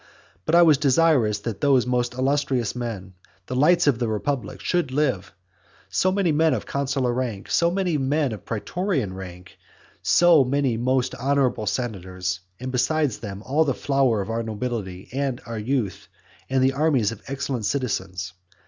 But I was desirous that those most illustrious men, the lights of the republic, should live: so many men of consular rank, so many men of praetorian rank, so many most honourable senators; and besides them all the flower of our nobility and of our youth; and the armies of excellent citizens.